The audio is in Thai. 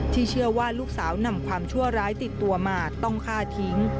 เชื่อว่าลูกสาวนำความชั่วร้ายติดตัวมาต้องฆ่าทิ้ง